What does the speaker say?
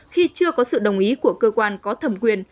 khi chưa có sự đồng ý của cơ quan có thẩm quyền